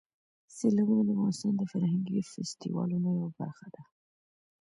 سیلابونه د افغانستان د فرهنګي فستیوالونو یوه برخه ده.